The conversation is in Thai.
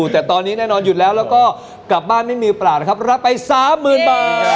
แต่ตอนนี้แน่นอนหยุดแล้วแล้วก็กลับบ้านไม่มีเปล่านะครับรับไป๓๐๐๐บาท